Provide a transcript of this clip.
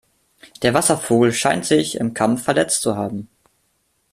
Der Wasservogel scheint sich im Kampf verletzt zu haben.